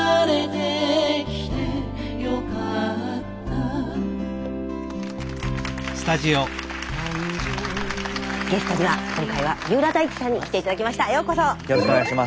ゲストには今回は三浦大知さんに来て頂きました。